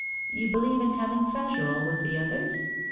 You believe in having Fagerolles with the others?